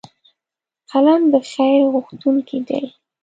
قلم د خیر غوښتونکی دی